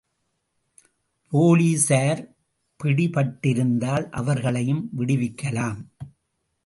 போலீசார் பிடிபட்டிருந்தால் அவர்களையும் விடுவிக்கலாம்.